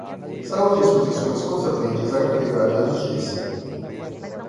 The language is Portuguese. Salvo as disposições concernentes à gratuidade da justiça